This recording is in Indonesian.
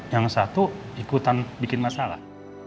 yang satu ikutan bikin masalah